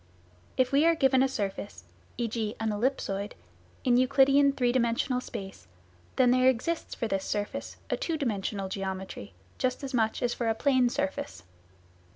If we are given a surface (e.g. an ellipsoid) in Euclidean three dimensional space, then there exists for this surface a two dimensional geometry, just as much as for a plane surface.